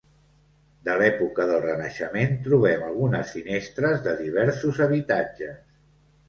De l'època del Renaixement trobem algunes finestres de diversos habitatges.